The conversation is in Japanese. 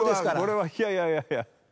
これはいやいやいやいや。